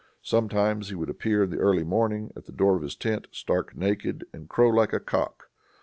Sometimes he would appear, in the early morning, at the door of his tent, stark naked, and crow like a cock.